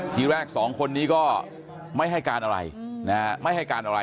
ทีแรกสองคนนี้ก็ไม่ให้การอะไรนะฮะไม่ให้การอะไร